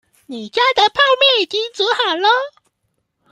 你家的泡麵已經煮好了